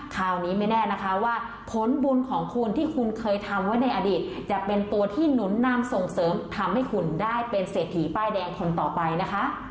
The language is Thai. คราวนี้ไม่แน่นะคะว่าผลบุญของคุณที่คุณเคยทำไว้ในอดีตจะเป็นตัวที่หนุนนำส่งเสริมทำให้คุณได้เป็นเศรษฐีป้ายแดงคนต่อไปนะคะ